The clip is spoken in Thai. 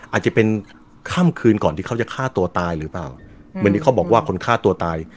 อาจจะเป็นค่ำคืนก่อนที่เขาจะฆ่าตัวตายหรือเปล่าเหมือนที่เขาบอกว่าคนฆ่าตัวตาย